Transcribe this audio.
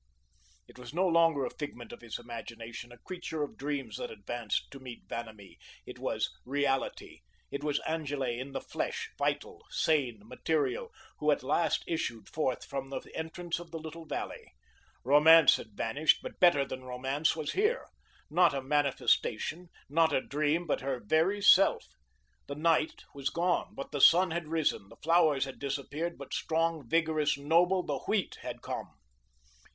It was no longer a figment of his imagination, a creature of dreams that advanced to meet Vanamee. It was Reality it was Angele in the flesh, vital, sane, material, who at last issued forth from the entrance of the little valley. Romance had vanished, but better than romance was here. Not a manifestation, not a dream, but her very self. The night was gone, but the sun had risen; the flowers had disappeared, but strong, vigorous, noble, the wheat had come.